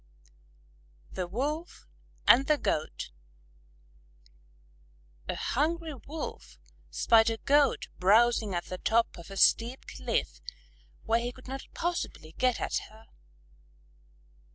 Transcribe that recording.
_ THE WOLF AND THE GOAT A hungry Wolf spied a Goat browsing at the top of a steep cliff where he could not possibly get at her.